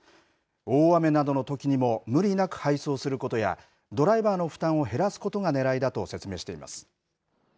大雨などのときにも、無理なく配送することや、ドライバーの負担を減らすことがねらいだと説明しています。